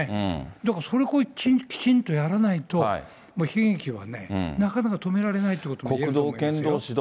だからそれぐらいきちんとやらないと、もう悲劇はね、なかなか止められないということが言えると思いますよ。